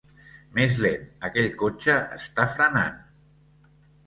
Més lent, aquell cotxe està frenant!